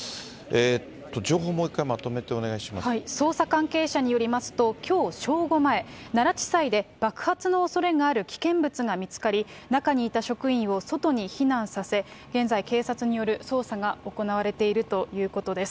情報、捜査関係者によりますと、きょう正午前、奈良地裁で爆発のおそれがある危険物が見つかり、中にいた職員を外に避難させ、現在、警察による捜査が行われているということです。